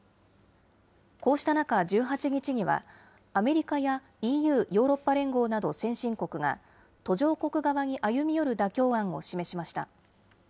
こうした中、１８日には、アメリカやＥＵ・ヨーロッパ連合など、先進国が、途上国側に歩み寄る妥協案を示しました。